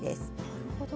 なるほど。